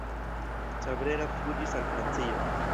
Cabrera fuĝis al Francio.